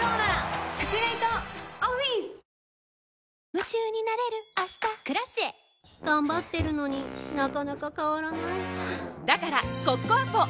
夢中になれる明日「Ｋｒａｃｉｅ」頑張ってるのになかなか変わらないはぁだからコッコアポ！